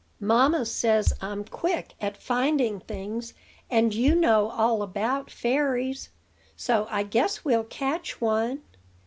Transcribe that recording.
"Mamma says I'm quick at finding things; and you know all about fairies, so I guess we'll catch one.